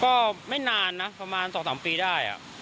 ก็ไม่นานนะประมาณ๒๓ปีได้